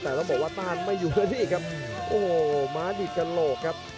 แต่ต้องบอกว่าต้านไม่อยู่ก็นี่ครับโอ้โหม้าดิบกระโหลกครับ